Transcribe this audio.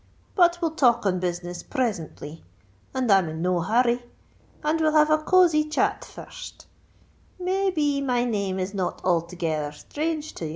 But we'll talk on business presently. I'm in no hurry—and we'll have a cozie chat first. May be my name is not altogether strange to ye?"